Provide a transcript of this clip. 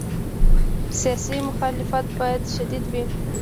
سیاسي مخالفت باید شدید وي.